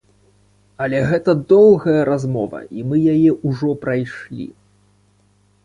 Але гэта доўгая размова, і мы яе ўжо прайшлі.